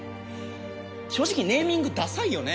正直ネーミングダサいよね？